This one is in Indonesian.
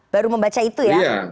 baru membaca itu ya